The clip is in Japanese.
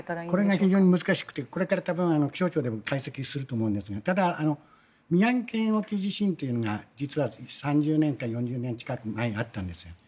これが非常に難しくてこれから気象庁でも解析すると思いますが宮城県沖地震というのが実は３０年か４０年近く前にあったんです。